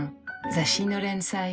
雑誌の連載